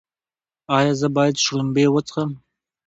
ایا زه باید شړومبې وڅښم؟